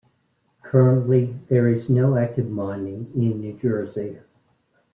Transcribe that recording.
Currently, there is no active mining in New Jersey.